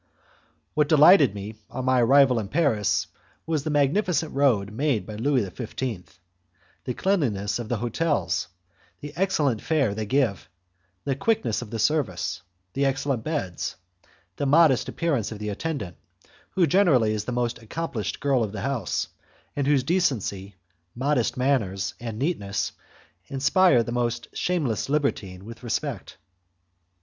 What delighted me, on my arrival in Paris, was the magnificent road made by Louis XV., the cleanliness of the hotels, the excellent fare they give, the quickness of the service, the excellent beds, the modest appearance of the attendant, who generally is the most accomplished girl of the house, and whose decency, modest manners, and neatness, inspire the most shameless libertine with respect.